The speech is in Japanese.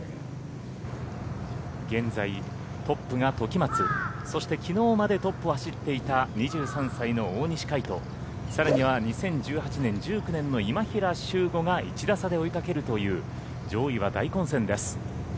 現在トップが時松そしてきのうまでトップを走っていた２３歳の大西魁斗さらには２０１８年１９年の今平が１打差で追いかけるという上位は大混戦です。